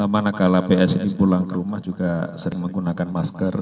manakala psi pulang ke rumah juga sering menggunakan masker